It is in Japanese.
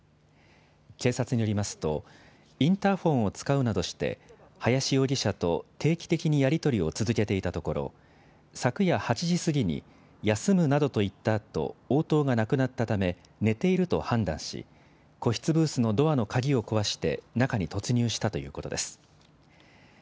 警察によりますと、インターホンを使うなどして、林容疑者と定期的にやり取りを続けていたところ、昨夜８時過ぎに休むなどと言ったあと、応答がなくなったため、寝ていると判断し、個室ブースのドアの鍵を壊して、中に突入したということです。